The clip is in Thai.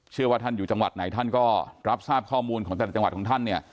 เชื่อว่าท่านอยู่จังหวัดไหนท่านก็รับทราบข้อมูลของแต่ละจังหวัดของท่านเนี่ย